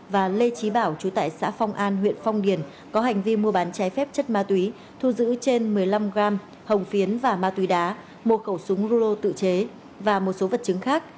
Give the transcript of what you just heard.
và lê trí bảo chú tải xã phong an huyện phong điền có hành vi mua bán trái phép chất ma túy thu giữ trên một mươi năm gram hồng phiến và ma túy đá một khẩu súng rulo tự chế và một số vật chứng khác